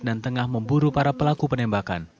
dan tengah memburu para pelaku penembakan